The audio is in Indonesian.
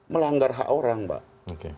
melanggar hak orang pak